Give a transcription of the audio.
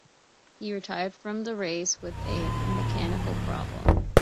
He retired from the race with a mechanical problem.